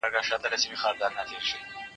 د کتابتون د کار مرسته وکړه!